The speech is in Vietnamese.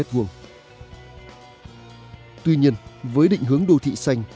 tuy nhiên với định hướng đô thị xanh